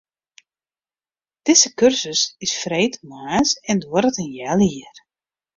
Dizze kursus is freedtemoarns en duorret in heal jier.